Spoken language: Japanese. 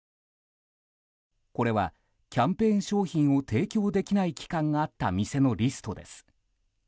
これはキャンペーン商品を提供できない期間があった店のリストです。